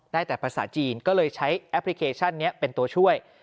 ได้แต่ภาษาจีนก็เลยใช้แอปพลิเคชันนี้เป็นตัวช่วย